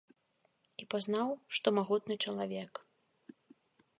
І пазнаў, што магутны чалавек.